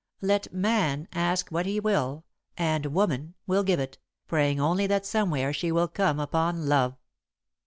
Let Man ask what he will and Woman will give it, praying only that somewhere she will come upon Love.